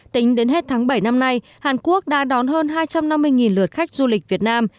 tính đến hết tháng bảy năm nay hàn quốc đã đón hơn hai trăm năm mươi lượt khách du lịch việt nam